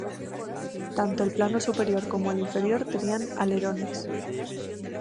Tanto el plano superior como el inferior tenían alerones.